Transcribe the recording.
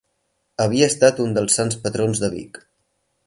Havia estat un dels sants patrons de Vic.